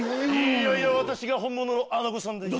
いやいや私が本物の穴子さんだよぉ。